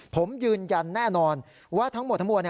ผมยืนยันแน่นอนว่าทั้งหมดทั้งมวล